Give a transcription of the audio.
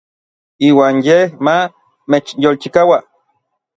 Iuan yej ma mechyolchikaua.